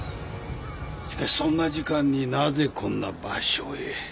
しかしそんな時間になぜこんな場所へ？